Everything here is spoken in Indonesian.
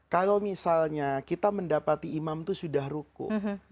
kalau misalnya kita mendapati imam itu sudah rukuh